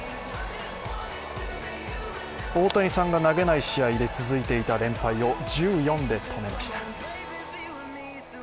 大谷さんが投げない試合で続いていた連敗を１４で止めました。